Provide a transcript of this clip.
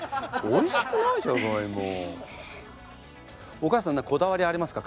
お母さん何かこだわりありますか？